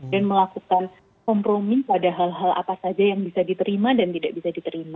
dan melakukan kompromi pada hal hal apa saja yang bisa diterima dan tidak bisa diterima